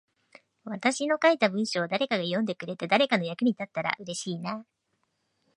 私の書いた文章を誰かが読んでくれて、誰かの役に立ったら嬉しいな。